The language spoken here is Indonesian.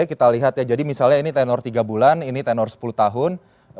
kita lihat ya jadi misalnya ini tenor tiga bulan ini tenor sepuluh tahun